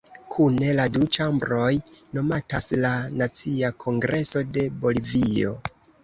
Kune la du ĉambroj nomatas la "Nacia Kongreso de Bolivio".